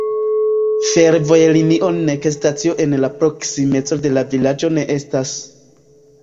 Fervojlinio nek stacio en la proksimeco de vilaĝo ne estas.